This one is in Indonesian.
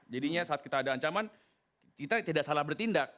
jadinya saat kita ada ancaman kita tidak salah bertindak